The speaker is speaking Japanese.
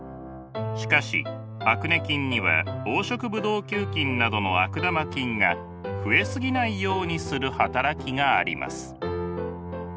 しかしアクネ菌には黄色ブドウ球菌などの悪玉菌が増え過ぎないようにする働きがあります。